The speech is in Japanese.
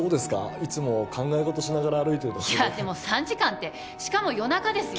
いつも考え事しながら歩いてるいやでも３時間ってしかも夜中ですよ？